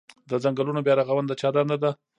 د ځنګلونو بیا رغونه د چا دنده ده؟